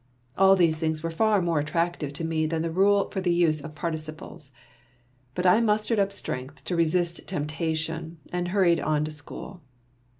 All these things were far more attractive to me than the rule for the use of participles. But I mustered up strength to resist temptation, and hurried on to school.